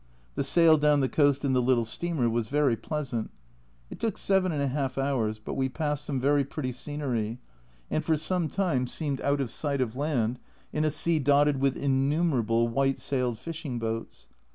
The sail down the coast in the little steamer was very pleasant. It took seven and a half hours, but we passed very pretty scenery, and for some time seemed out of sight of land in a sea dotted with innumerable white sailed fishing boats.